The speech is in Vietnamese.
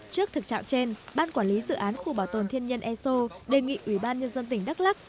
trước thực trạng trên ban quản lý dự án khu bảo tồn thiên nhiên eso đề nghị ủy ban nhân dân tỉnh đắk lắc